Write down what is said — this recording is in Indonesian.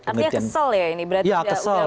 artinya kesel ya ini berarti udah kelihatan kesel